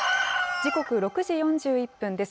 時刻、６時４１分です。